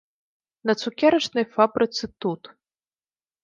На цукерачнай фабрыцы тут.